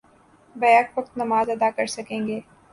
back وقت نماز ادا کر سکیں گے